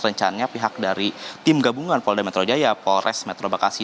rencananya pihak dari tim gabungan polda metro jaya polres metro bekasi